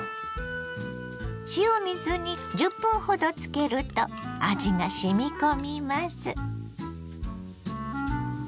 塩水に１０分ほどつけると味がしみ込みます。